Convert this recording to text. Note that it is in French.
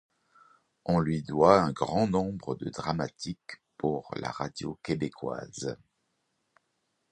On lui doit un grand nombre de dramatiques pour la radio québécoise.